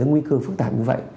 nguy cơ phức tạp như vậy